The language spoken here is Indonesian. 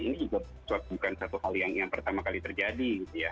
ini juga bukan satu hal yang pertama kali terjadi